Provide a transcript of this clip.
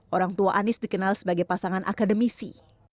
orang tua anis dikenal sebagai pasangan akademisi